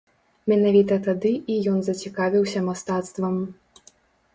Менавіта тады і ён зацікавіўся мастацтвам.